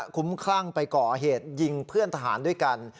คุ้มคลั่งไปก่อเหตุยิงเพื่อนทหารด้วยกัน